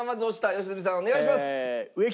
良純さんお願いします。